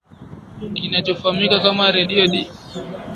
kinachofahamika kama radio d